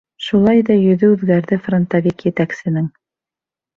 Шулай ҙа йөҙө үҙгәрҙе фронтовик етәксенең.